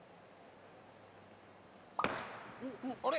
あれ？